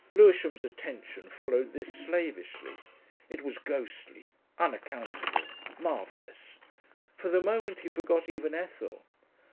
Lewisham's attention followed this slavishly. It was ghostly unaccountable marvellous. For the moment he forgot even Ethel.